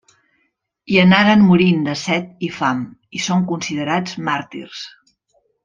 Hi anaren morint de set i fam, i són considerats màrtirs.